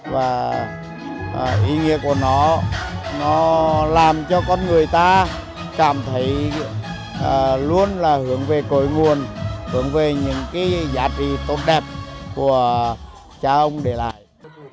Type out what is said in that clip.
và ý nghĩa của nó làm cho con người ta cảm thấy luôn là hướng về cội nguồn hướng về những cái giá trị tốt đẹp của cha ông để lại